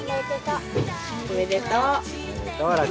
おめでとう楽。